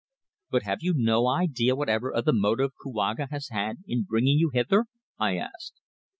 "But have you no idea whatever of the motive Kouaga has had in bringing you hither?" I asked.